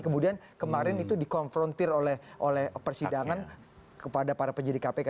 kemudian kemarin itu dikonfrontir oleh persidangan kepada para penyidik kpk